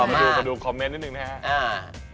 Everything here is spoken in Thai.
มาดูขอดูคอมเมนต์นิดนึงนะครับ